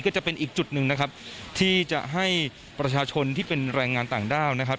ก็จะเป็นอีกจุดหนึ่งที่จะให้ประชาชนที่เป็นแรงงานต่างด้าว